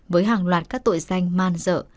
với hàng loạt các tội danh man dợ